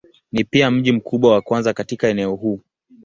Ni pia mji mkubwa wa kwanza katika eneo huu.